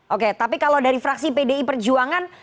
oke tapi kalau dari fraksi pdi perjuangan